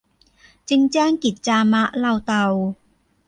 จึงแจ้งกิจจามะเลาเตา